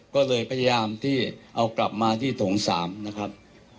ก็เลยพยายามที่เอากลับมาที่โถง๓นะครับ